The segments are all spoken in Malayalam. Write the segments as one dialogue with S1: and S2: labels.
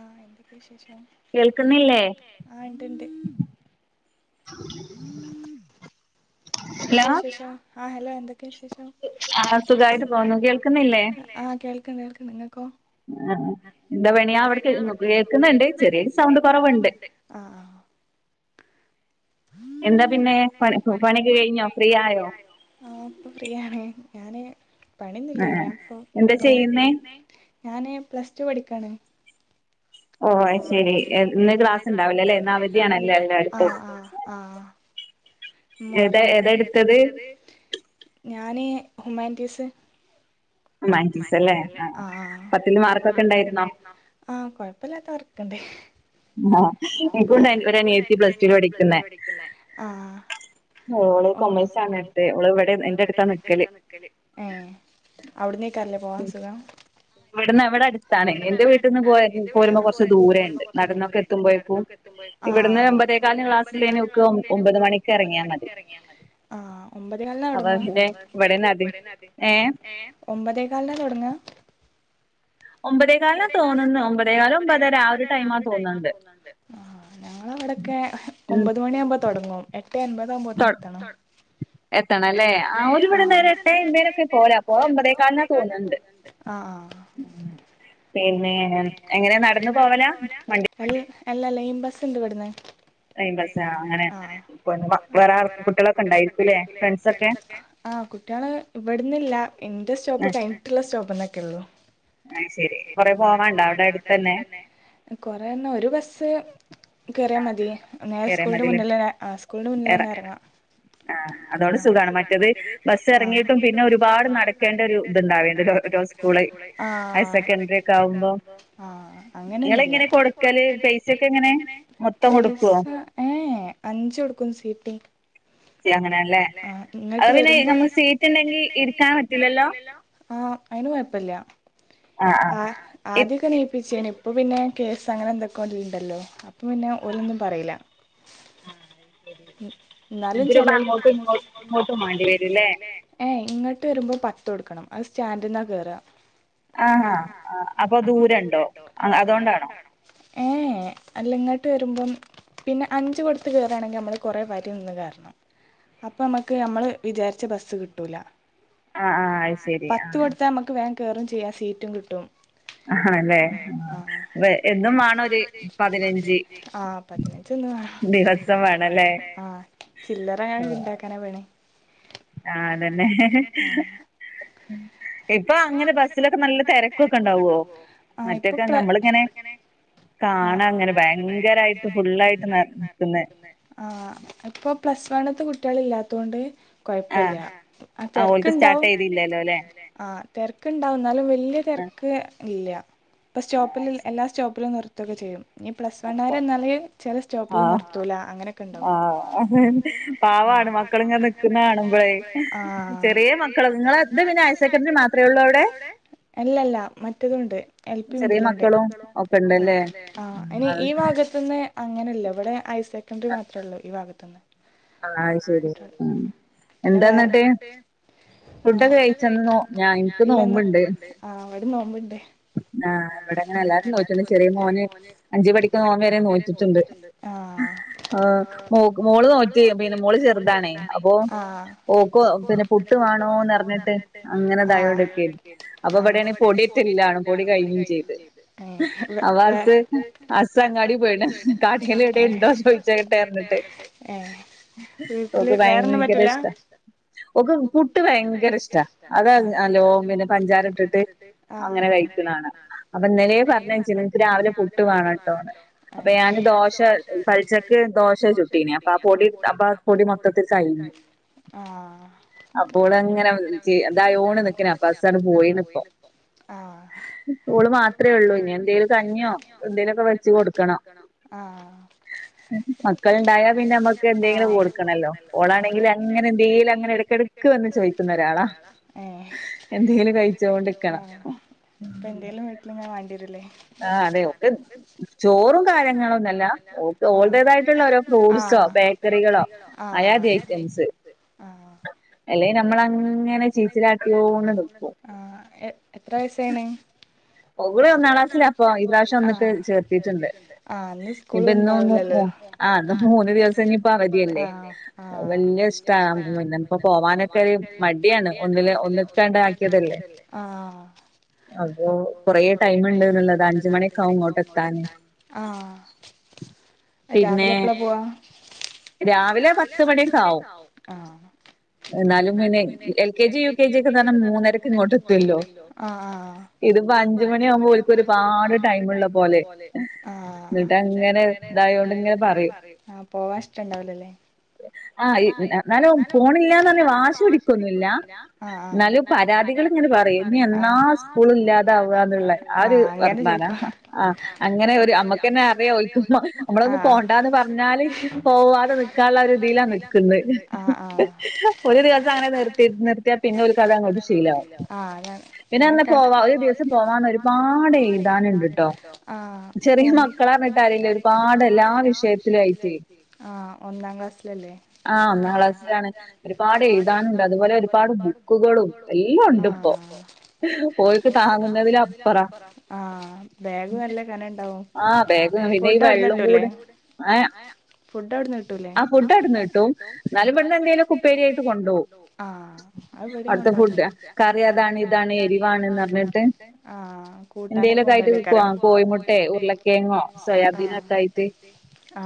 S1: ആഹ് എന്തൊക്കെ വിശേഷം? ആഹ് ഇണ്ട്ണ്ട്. [unintelligible] എന്തൊക്കെ വിശേഷം? ആഹ് ഹലോ എന്തൊക്കെ വിശേഷം?
S2: ആ സുഖായിട്ട് പോന്നു കേൾക്കുന്നില്ലേ?
S1: കേൾക്കണ്ട് ങ്ങക്കോ? എന്ത്‌ പണിയ അവിടെ കേക്കുന്നുണ്ട് ചെറിയൊരു സവറവുണ്ട് ആഹ്
S2: എന്താ പിന്നെ? പണി പണി?
S1: ആ ഇപ്പൊ ഫ്രീയാണ് ഞാന് പണിയുന്നില്ലേന ഞ പ്പൊ നോ ഞാന് പ്ലസ് ടു പഠിക്കാണ്. ഓ അത് ശരി ഇന്ന് ക്ലാസ് ഉണ്ടാവുലല്ലേ ഇന്ന് അവധിയാണ് ലെ എല്ലാർക്കും. മുഹറം എന്നിട്ട് ഏതാ എടുത്തത്? ഞാന് ഹുമാനിറ്റീസ് ഹ്യുമാനിറ്റിസ് അല്ലെ? പത്തില് മാർക്കൊക്കെണ്ടായിുന്നോ? തറക്കണ്ടേ ഇനിക്കും ഉണ്ട് ഒരു അനിയത്തി പ്ലസ് ടു ന് പഠിക്കുന്നെ ഓള് കോമേഴ്‌സ് ആണ് എടുത്തേ ഓള് ഇവിടെ എന്റെ അടുത്താ നിക്കല്. അവിടന്ന് കാരംല്ലേ പോവാം സുഖം.
S2: ഇവിടന്ന് ഇവിടെ അടുത്താണ് എന്റെ വീട്ടിൽ നിന്ന് പോയരുന്നു. പോരുമ്പോ കുറച്ച് ദൂര ഉണ്ട് നടന്നൊക്കെ എത്തുമ്പോഴേക്കും ഇവിടുന്ന് ഒമ്പതേകാലിന് ക്ലാസ്സിന് ഒക്ക്
S1: ആ ഒമ്പത് കാലിന്ന തുടങ്ങ? ഏ ഒമ്പതേകാലിനാ തുടങ്ങ?
S2: ഒമ്പതെ കാൽന തോന്നുന്നു ഒമ്പതേ
S1: ആഹ് ഞങ്ങളെവാടെക്കെ ഒമ്പത് മണിയാവുമ്പോ തൊ തുടങ്ങും എട്ട് അമ്പതാകുമ്പോതിന് എത്തണം.
S2: എത്തണല്ല ആ ഓല് ഇവിടെന്ന് ഒരു എട്ടേ അമ്പേനൊക്കെ പോല അപ്പോ ഒമ്പതേകാൽന്നാ തോന്നുന്നുണ്ട്.
S1: ആഹ്
S2: പിന്നെ എ
S1: അല്ലല്ല ലൈൻ ബസ് ഇണ്ട് ഇവിടന്ന്.
S2: ലൈൻ ബസ് ആ അങ്ങനെ വേറെ ആ കുട്ട്യാളൊക്കെ ഉണ്ടായിരിക്കൂല്ലേ ഫ്രണ്ട്സൊക്കെ
S1: ആ കുട്ടികള് ഇവിടുന്നില്ല ഇന്റെ സ്റ്റോപ്പ് കഴിഞ്ഞിട്ടിള്ള സ്റ്റോപ്പിന്നൊക്കെള്ളു
S2: ആ് ശരി കൊറേ പോവാണ്ട അവിടെ അടുത്ത്
S1: കൊറന്ന ഒരു ബസ്സ് കേറിയാ മതി നേരെ സ്കൂളിന്റെ മുന്നിലെന്നെ സ്കൂളിന്റെ മുന്നിൽന്നെ എറങ്ങ
S2: ആ് അതോണ്ട് സുഖാണ് മറ്റത് ബസ് എറങ്ങീട്ടും പിന്നെ ഒരുപാട് നടക്കേണ്ട ഒരു ഇത്ണ്ടാവല്ണ്ട്
S1: ആ ആഹ് അങ്ങനെന്നുല്ല പൈസ ഏ അഞ്ചൊടുക്കും സീ ട്ടി
S2: അങ്ങനെ ല്ലേ അത് പിന്നെ നമ്മള് സീറ്റ് ഇണ്ടെങ്കി ഇരിക്കാൻ പറ്റൂല്ലല്ലോ
S1: ആഹ് അയിന് കൊയ്പ്പല്ല ആ ആദ്യൊക്കെ നീപ്പിച്ചീനി ഇപ്പ പിന്നെ കേസ് അങ്ങനെ എന്തൊക്കേണ്ടല്ലോ അപ്പൊ പിന്നെ ഓലൊന്നും പറീല എന്നാലും ചെലോൽ ഏയ് ഇങ്ങോട്ട് വരുമ്പം പത്തൊടുക്കണം അത് സ്റ്റാൻഡിന്നാ കേയറാ ആഹാ അപ്പൊ ദൂരണ്ടോ അതോണ്ടാണോ ഏ അല്ല ഇങ്ങോട്ട് വരുമ്പം പിന്നെ അഞ്ച് കൊടുത്ത് കേയറാണെങ്കിൽ നമ്മൾ കുറെ വരി നിന്ന് കേർണം അപ്പൊ നമുക്ക് നമ്മള് വിചാരിച്ച ബസ്സ് കിട്ടൂല പത്ത് കൊടുത്താ നമ്മക്ക് വേം കേറും ചെയ്യാ സീറ്റും കിട്ടും ആ പതിനഞ്ച് ആ ചില്ലറങ്ങ ഇണ്ടാക്കാനാ പണി
S2: ആ അതെന്നെ
S1: ഇപ്പൊ പ്ല
S2: കാണാ അങ്ങനെ ഭയങ്കരായിട്ട് ഫുള്ളായിട്ട് ന നിക്കുന്ന
S1: ആ ഇപ്പൊ പ്ലസ് വണ്ണിത്തെ കുട്ട്യാൾ ഇല്ലാത്തൊണ്ട് കുയ്പ്പല്ല തെര്ക്കിണ്ടാവും അ തെര്ക്കിണ്ടാവും എന്നാലും വെല്ല്യെ തെ ക് ഇല്ല ഇപ്പ സ്റ്റോപ്പിൽ എല്ലാ സ്റ്റോപ്പിലും നിർത്തൊക്കെ ചെയ്യും ഇനി പ്ലസ് വണ്ണാരന്നാല് ചെലെ സ്റ്റോപ്പിൽ നിർത്തൂല അങ്ങനെ
S2: ആ പാവാണ് മക്കളിങ്ങെ നിക്കുന്ന കാണുമ്പളെ ചെറിയ മ
S1: അല്ലല്ല മറ്റതുണ്ട് എൽ പി മുതലേ ണ്ട് ആ ഇനി ഈ ഭാഗത്തിന്ന് അങ്ങനല്ല ഇവിടെ ഹൈ സെക്കൻറി മാത് ഇവാകത്തിന്ന്
S2: ആഹ് ശരി ഉം എന്താന്നിട്ട്
S1: അല്ല ന്ന് ആ അവിടെ നോമ്പിണ്ട്
S2: ആഹ് ഇവിടെങ്ങനെ എല്ലാരും നോറ്റീണ് ചെറ്യേ മോന് അഞ്ച് പടിക്കുന്ന മോൻ വരെ നോറ്റിട്ടിണ്ട്
S1: ആ
S2: മോ മോള് നോ
S1: ആ ആ ആ ആ
S2: സ് അസ് അങ്ങാടി പോയിണ് കാട്യേലെവാടരണ്ടോ ചോയ്ച്ചോട്ടെ അർഞിട്ട് ഓക്ക് ഭയ്ങ്കര ഇഷ്ട ഒക്കെ പുട്ട് ഭയങ്കര ഇഷ്ട അതാ നലോം പിന്നെ പഞ്ചാര ഇട്ടിട്ട് അങ്ങനെ
S1: അങ്ങനെ കഴിച്ചിണാണ
S2: അപന്നലേ പർഞ്ഞച്ചിണ് ഇൻക്ക് രാവിലെ പുട്ട് വാണട്ടോന്ന് അപ്പൊയാന് ദോശ പൽച്ചക്ക് ദോ പക്ഷേ ചുട്ടിയ
S1: ൊ അപ്പ പൊടി മൊത്തത്തിൽ കായില്ല ആ അപ്പോൾ അങ്ങനെക്ക് എന്തായ ഓണ് നക്കന അപ്പൊസ പോയിലിപ്പ ഓള് മാത്രമേ ഉള്ളൂ ഇ എന്തേലും കണിയോ എന്തേലൊക്കെ വെറത്തി കൊടുക്കണോ
S2: മക്കളുണ്ടായ പിന്നെ നമ്മുക്ക് എന്തെങ്കിലും കൊടുക്കണല്ലോ ഓളാണെങ്കിൽ അങ്ങനെ എന്തെങ്കില അങ്ങെടക്കെടുക്കുവ എന്ന് ചോദിക്കുന്ന ഒരാളാ എന്തെിലും കഴിച്ച കൊണ്ടിരിക്കണം
S1: എന്തേങ്കലും വീട്ടിൽ [inaudible] വേണ്ടിരല്ലേ
S2: ആ അതെ ക്കെ ചോറും കാര്യങ്ങളൊന്നല്ല ഓളടതായി
S1: ചെറുതായിട്ടുള്ളരോ ഫുഡ്സോ ബേക്കറികളോ അങ്ങനത്തെ ഐറ്റംസ് ആ അല്ലെ നമ്മൾ അങ്ങനെ ചീച്ചിലാക്കി [inaudible] എത്ര വയസ് ആണ് അവൾ ഒന്നാം ക്ലാസ്സിലാ ഇപ്പോ ഇന്നലെ ചെന്നിട്ട് ചേർത്തിട്ടുണ്ട് ആ ഇന്ന് സ്കൂൾ ഉണ്ടാവൂലല്ലോ ആ മൂന്ന് ദിവസം ഇനിപ്പ അവധിയല്ലേ വലിയ ഇഷ്ട ഇപ്പോ പോവാന ക്ക മടിയാണ് ഒന്നിൽ [inaudible] ആക്കിയതല്ലേ അപ്പ കൊറ ടൈം ഉണ്ട് എന്നുള്ളത് അഞ്ചു മണിയൊക്കെ ആവും ഇങ്ങോട്ട് എത്താൻ രാവിലെ എപ്പോഴാ പോവാ രാവിലെ പത്ത് മണിയൊക്കെ ആവും
S2: എന്നാലും പിന്നെ എൽകെജി യുകെജി ഒക്കെ പറഞ്ഞാൽ മൂന്നരക്ക് ഇങ്ങോട്ട് എത്തുല്ലോ
S1: ആ.. ഇതിപ്പോ അഞ്ചുമണി ആവുമ്പോ അവർക്ക് ഒരുപാട് ടൈം ഉള്ള പോലെ ഇതങ്ങനെ അതായോണ്ട് ഇങ്ങനെ പറയും ആ പോവാ ഇഷ്ടുണ്ടാവിലല്ലേ ആ എന്നാലും പോണില്ലാന്ന് പറഞ്ഞത് വാശി പിടിക്കൊന്നുമല്ല എന്നാലും
S2: നിങ്ങൾ ഇങ്ങോട് പറയ് ഇനി എന്നാ സ്കൂൾ ഇല്ലാതെ ആവാതെ ഉളേള ആ ഒരു വർത്തമാന ആ അങ്ങനെ ഒരു അമ്മ [inaudible] നമ്മളൊന്നും പോണ്ടെന്ന് പറഞ്ഞാൽ പോവാതെ നിക്കാള്ള ഒര്തിലാ നിക്ക്ന്ന ഒരു ദിവസം അങ്ങനെ നിർത്തി നിർത്തിയാ പിന്നെ ഓല്ക്കത് അങ്ങോട്ട് ശീലവമാവും.
S1: [inaudible] പോവാ ഒരു ദിവസം പോവാൻ ഒരുപാട് എഴുതാൻ ഉണ്ടട്ടോ ആ [inaudible]
S2: [inaudible] ഒരുപാട്
S1: [inaudible] എല്ലാം വിഷയത്തിൽ ആയിട്ട് ഒന്നാം ക്ലാസ്സിലല്ലേ ആ ഒന്നാം ക്ലാസ്സിലാണ്
S2: ഒരുപാട് എഴുതാനുണ്ട് അതുപോലെ ഒരുപാട് ബുക്കുകളും എല്ലാം ഉണ്ട് ഇപ്പോ
S1: [inaudible] ആ ബാഗ് നല്ല കനം ഉണ്ടാവും
S2: ബാഗ് പിന്നെ ഈ വെള്ളം കൂടെ ഏ
S1: ഫുഡ് അവിടുന്ന് കിട്ടൂല്ലേ ഫുഡ് അവിടെന്ന് കിട്ടും എന്നാലും ഇവിടെന്ന് എന്തേലും ഉപ്പേരിയായിട്ട് കൊടുക്കും. ഇവിടെ ഉണ്ടാവ [inaudible] [inaudible] ആ ആ കൂട്ടാനൊക്കെ കൊണ്ടൊകലെക്കാരം
S2: സോയാബീനക്കായി
S1: ആ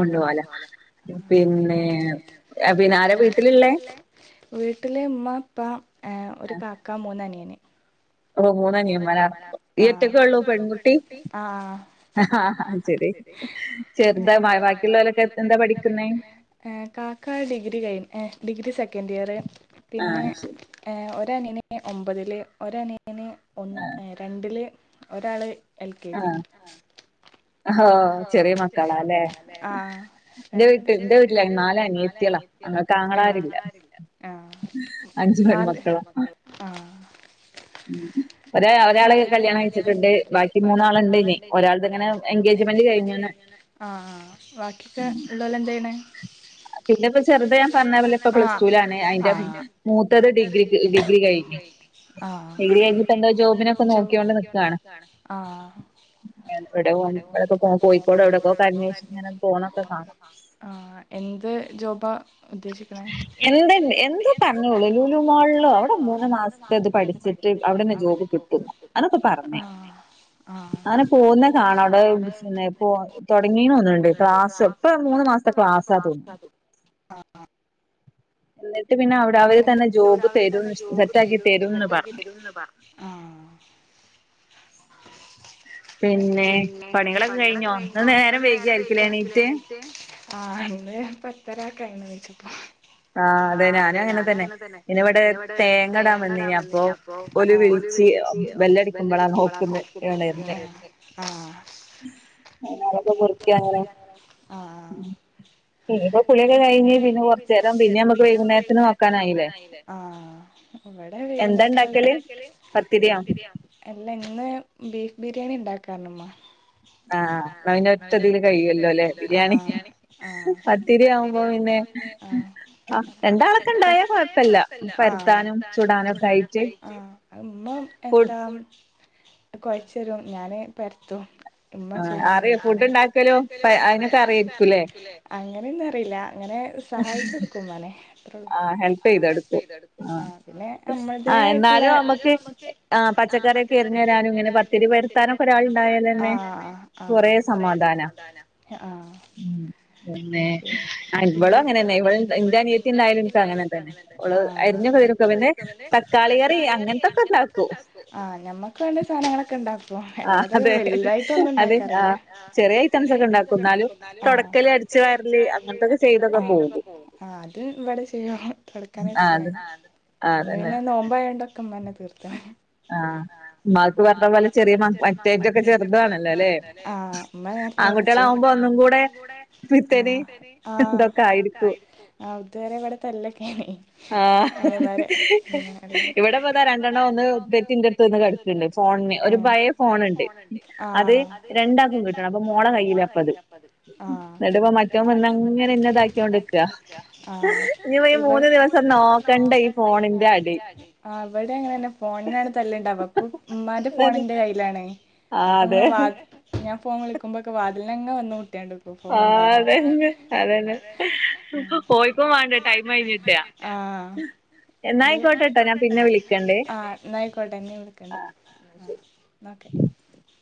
S1: അങ്ങനെ കൊണ്ടു പോവാലോ പിന്നെ പിന്നെ ആരാ വീട്ടിൽ ഉള്ളേ വീട്ടിൽ ഉമ്മ അപ്പ ഒരു കാക്ക മൂന്നനിയൻ ആഓ മുന്നനിയൻ ആണ് നീ ഒറ്റയ്ക്ക് ഒള്ളൂ പെൺകുട്ടി
S2: ആ ആ ശരി
S1: ബാക്കിയുള്ളവരെക്കെ എന്തുട്ടാ പഠിക്കുന്നേ കാക്ക ഡിഗ്രി കഴി ഡിഗ്രി സെക്കൻ്റ് സെക്കൻ്റിയറിൽ പിന്നെ ഒരു അനിയൻ ഒമ്പതിൽ [inaudible] രണ്ടിൽ ഒരാൾ എൽ കെ ജി
S2: ആ ചെറിയ മക്കളാല്ലേ എൻ്റെ വീട്ടിൽ എന്റെ വീട്ടിൽ നാല് അനിയത്തി
S1: [inaudible] നാല് പെൺമക്കള്
S2: [inaudible] ഒരാൾ ഒരാളെ കല്യാണം കഴിച്ചിട്ടുണ്ട് ബാക്കി മൂന്നാളുണ്ട് ഇനി ഒരാൾ
S1: [inaudible] എഗേജ്മെൻ്റ് കഴിഞ്ഞതാആ ബാക്കിയൊക്കെ ഉള്ളാൽ എന്താ ചെയ്യണേ
S2: പിന്നെ ഇപ്പ ചെറുത് ഞാൻ പറഞ്ഞ പോലെ ഇപ്പ പ്ലസ്ടുലാണ് അതിന്റെ മൂത്തത് ഡിഗ്രി ഡിഗ്രി കഴിഞ്ഞു
S1: ആ ജോ ആ [inaudible] എന്ത് ജോബ ഉദ്ദേശിക്ക്ണേ എന്ത് എന്തോ പറഞ്ഞോള് ലുലുമാള്ലോ അവിടെന്തോന്ന് [unintelligible] അവിടെ നിൽക്കോ ആ ആ
S2: പോകുന്നെ കാണാം അവിടെ പിന്നെ ഇപ്പൊ തുടങ്ങിന് തോന്നണ്ട് ക്ലാസ് ഇപ്പ മൂന്ന് മാസത്തെ ക്ലാസ്സാ തോന്നും
S1: അത് ആ. [inaudible] രാവിലെ തന്നെ യോഗ ചെയ്തു സെറ്റാക്കി ചെയ്തൂന്നാ പറഞ്ഞേ. ആാാാാ. [unintelligible] പിന്നെ പണികളൊക്കെ കഴിഞ്ഞോ ഇങ്ങള് നേരം വൈകിയാരിക്കുലേ എന്നീറ്റെ. ആ ഇന്ന് പത്തര ക്കായിണ് നീച്ചപ്പോ.
S2: ആഹ അതെ ഞാ
S1: അതെ ഞാനും അങ്ങനെ തന്നെ പിന്നെ ഇവിടെ തേങ്ങടാൻ വന്നീനി അപ്പൊ ഒരു വിളിച്ച്. ബെല്ലടിക്കുംബൊള നോക്കുന്നെ വെരന്നേ.
S2: വൈന്നേരൊക്കെ കുളിക്കങ്ങനെ ഇനിയിപ്പൊ കുളിയൊക്കെ കഴിഞ് പിന്നെ കുറച്ചേരം പിന്നെ നമ്മുക്ക് വൈകുന്നേ
S1: വൈകുന്നേരത്തിന് നോക്കാനായില്ലേ. ആഹ് ഇവിടെ വൈകുന്നേരത്ത്. ന്താ ഇണ്ടാക്കല് പത്തിരിയ. അല്ല ഇന്ന് ബീഫ് ബിരിയാണി ഇണ്ടാക്കാറ്ഞ്ഞ് ഉമ്മ.
S2: ആ ആഹ ന്നാ പിന്നേ ഒറ്റതിൽ കഴിയുവല്ലോ ല്ലേ ബിരിയാണി പത്തിരിയാവുമ്പോ പിന്നെ ആ എന്താണ്.
S1: ആ ആ ത് ഉമ്മ എന്താ കൊഴച്ചരും ഞാന് പരത്തും. ഇമ്മ ചൂടന്നെ അങ്ങനെയൊന്നും അറിയില്ല. അങ്ങനെ സഹായിച്ചു കൊടുക്കും ഇമ്മനെ ആ പിന്നെ അമ്മള്ളതെയിട്ടള്ള ആ പച്ചക്കറിയൊക്കെ അറിഞെരാനും ഇങ്ങനെ പത്തിരിപരത്താനൊക്കെ ഒരാൾ ഇണ്ടായാൽ തന്നെ. കൊറേ സമാധാനാണ്.
S2: മ്മ് പിന്നെ ആ ഇവളും അങ്ങനെന്നെ ഇവൾ ഇന്റെ അനിയത്തീ ന്തായാലും ഇനിക്കും അങ്ങനെ തന്നെ ഓൾ അരിഞ്ഞൊക്കെതരും ട്ടോ പിന്നെ തക്കാളി കറി അങ്ങനത്തൊക്കെ ഇണ്ടാക്കും.
S1: ആഹ് ഞമ്മക്ക് വേണ്ട സാനങ്ങളൊക്കെ ഇണ്ടാക്കു അപ്പൊ എല്ലാതെക്കെ വലുതായിട്ടൊന്നും ഉണ്ടാക്കാറില്ല. ആ. [unintelligible] അടിച്ച് വാരല് അങ്ങനത്തത് ചെയ്തൊക്കെ പോകും. ഇവിടെ ചെയാ [unintelligible] ഇന്ന് പിന്നെ നോമ്പയോണ്ട് ഒക്കെ ഉമ്മനെ തീർത്ത്ണ്.
S2: ആഹ.
S1: മ്മാക്ക് പറഞ്ഞ പോലെ ചെറിയ [unintelligible] ചെറുത് വേണലോ ലേ. ആ ഇമ്മ നേരത്തെ എണീച്ചും. ആ ആ ആ ഇതുവരെ ഇവിടത്തെ [unintelligible] അതെമാരി അങ്ങനെ. ഇവിടെ ഇപ്പതാ രണ്ടെണ്ണം ഒന്ന് പെറ്റ് ഇൻജെക്ഷൻ. [inaudible] ആ ആ ഒരു പയയ ഫോണിണ്ട്. ആ അത് രണ്ടാൾക്കും കിട്ടണം അപ്പൊ മോ മോളേ കയ്യിലാണ്.
S2: ന്നിട്ട് പ്പോ മറ്റോൻ വന്ന് അങ്ങനെ ഇന്നെ ഇതാക്കിയൊണ്ടിക്ക. ഇനി മൂന്ന് ദിവസം.
S1: ആ ഇവിടേം അങ്ങനെന്നെ ഫോണിനാണ് തല്ലിണ്ടാവാ ഇപ്പോ ഉമ്മാന്റെ ഫോ ഒൺ ന്റെ കയ്യിലാണ് അപ്പ ഇങ്ങ് വാതി ഞാൻ ഫോൺ വിളിക്കുമ്പോക്ക് വാതിലെന്ന് ഇങ്ങനെ വന്ന് മുട്ടും. കുട്ട്യാണ്ടപോ ഫോൺ വേണ്ടാന്ന്.
S2: ഓരുക്കും വേണ്ട ടൈം കഴിഞ്ഞിട്ട.
S1: ആ് ന്നായിക്കോട്ടെ ട്ടാ ഞാൻ പിന്നെ വിളിക്കണ്ട്‌. [unintelligible]